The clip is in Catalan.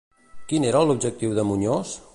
Quin era l'objectiu de Muñoz?